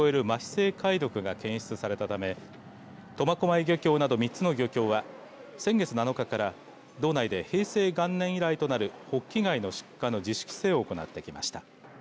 性貝毒が検出されたため苫小牧漁協など３つの漁協は先月７日から道内で平成元年以来となるホッキ貝の出荷の自主規制を行ってきました。